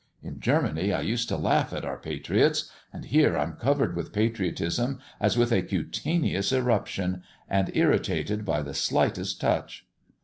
In Germany I used to laugh at our patriots; and here I'm covered with patriotism as with a cutaneous eruption, and irritated by the slightest touch."